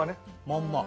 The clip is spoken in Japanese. まんま。